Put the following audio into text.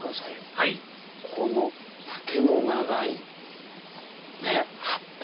はいこの丈の長い葉っぱ。